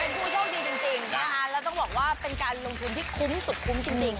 เป็นผู้โชคดีจริงนะคะแล้วต้องบอกว่าเป็นการลงทุนที่คุ้มสุดคุ้มจริง